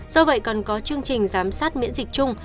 do vậy cần có chương trình giám sát miễn dịch chung